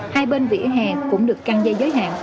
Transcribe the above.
hai bên vỉa hè cũng được căng dây giới hạn